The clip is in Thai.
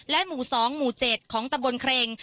หมู่๒หมู่๗ของตะบนเครง